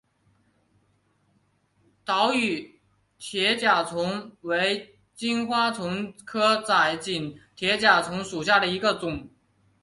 岛屿铁甲虫为金花虫科窄颈铁甲虫属下的一个种。